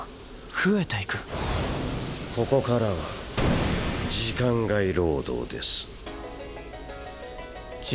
ここからは時間外労働です。